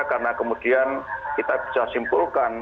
karena kemudian kita bisa simpulkan